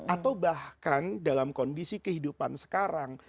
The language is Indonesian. atau bahkan dalam kondisi kehidupan sekarang